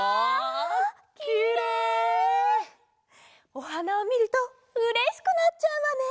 おはなをみるとうれしくなっちゃうわね。